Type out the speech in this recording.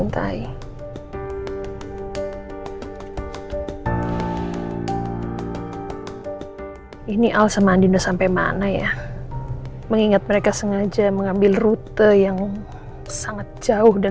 tidak dapat menerima panggilan anda